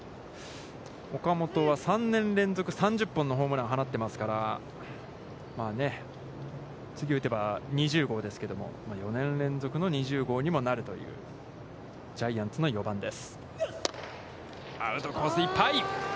岡本は３年連続３０本のホームランを放っていますから、次、打てば２０号ですけども、４年連続の２０号にもなるという、ジャイアンツの４番です。